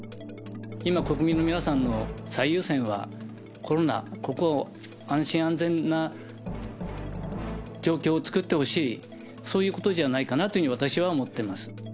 今、国民の皆さんの最優先はコロナ、ここを安心安全な状況を作ってほしい、そういうことじゃないかなというふうに、私は思ってます。